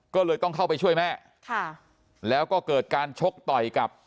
ก็เลยต้องเข้าไปช่วยแม่ค่ะแล้วก็เกิดการชกต่อยกับ